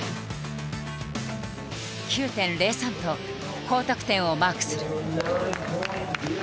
９．０３と高得点をマークする。